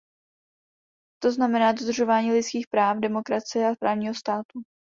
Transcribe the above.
To znamená dodržování lidských práv, demokracie a právního státu.